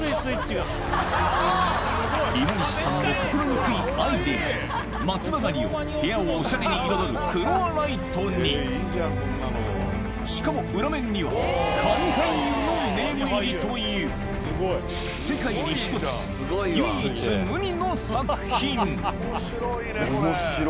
今西さんの心憎いアイデア松葉がにを部屋をおしゃれに彩るフロアライトにしかも裏面にはカニ俳優のネーム入りという世界に１つおもしろ。